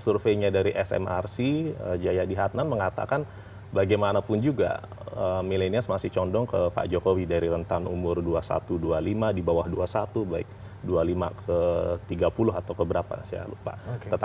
surveinya dari smrc jayadi hatnan mengatakan bagaimanapun juga milenial masih condong ke pak jokowi dari rentan umur dua puluh satu dua puluh lima di bawah dua puluh satu baik dua puluh lima ke tiga puluh atau ke berapa saya lupa